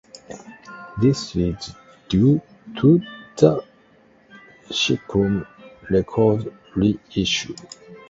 This is due to the Sickroom Records re-issue.